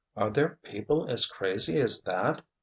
"Are there people as crazy as that?